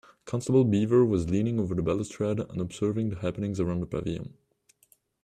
Constable Beaver was leaning over the balustrade and observing the happenings around the pavilion.